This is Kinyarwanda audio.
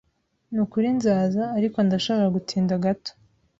Nukuri nzaza, ariko ndashobora gutinda gato.